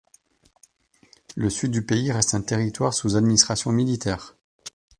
Le Sud du pays reste un territoire sous administration militaire.